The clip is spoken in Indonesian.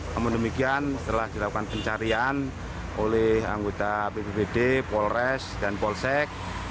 namun demikian setelah dilakukan pencarian oleh anggota bpbd polres dan polsek